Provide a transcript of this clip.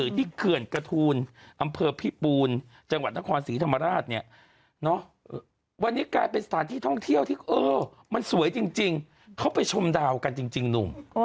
เหนื่อยจริงเขาไปชมดาวกันจริงนุ่ม